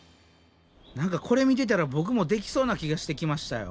何かこれ見てたらボクもできそうな気がしてきましたよ。